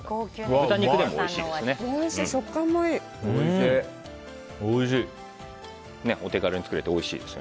豚肉でもおいしいです。